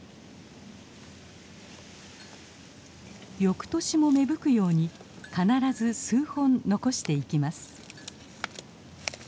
翌年も芽吹くように必ず数本残していきます。